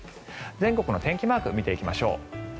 全国の天気マーク見ていきましょう。